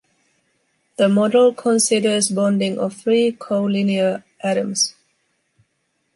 The model considers bonding of three colinear atoms.